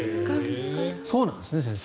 そうなんですね、先生。